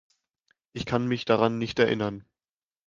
Ich kann mich daran nicht erinnern.